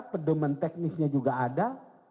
pedoman teknisnya juga ada